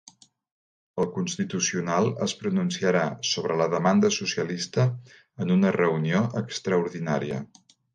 El Constitucional es pronunciarà sobre la demanda socialista en una reunió extraordinària